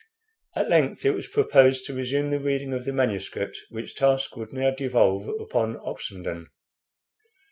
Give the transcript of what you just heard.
At length it was proposed to resume the reading of the manuscript, which task would now devolve upon Oxenden.